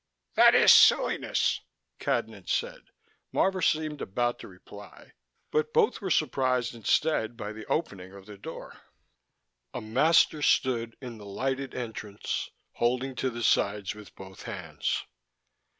"That is silliness," Cadnan said. Marvor seemed about to reply, but both were surprised instead by the opening of the door. A master stood in the lighted entrance, holding to the sides with both hands.